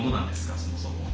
そもそも。